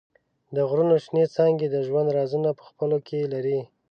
د غرونو شنېڅانګې د ژوند رازونه په خپلو کې لري.